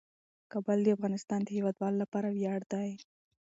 کابل د افغانستان د هیوادوالو لپاره ویاړ دی.